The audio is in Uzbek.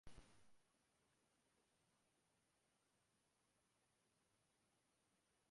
Bog‘ot tumanlararo sudida fuqaro o‘z joniga qasd qildi